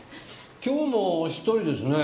今日もお１人ですね？